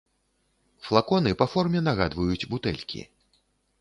Флаконы па форме нагадваюць бутэлькі.